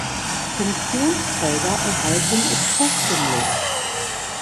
Funktionsträger erhalten es kostenlos.